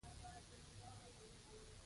پیلوټ د تخنیکي وسایلو سره بلد وي.